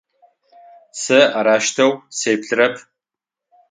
Сэ арэущтэу сеплъырэп.